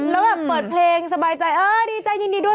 แล้วแบบเปิดเพลงสบายใจเออดีใจยินดีด้วย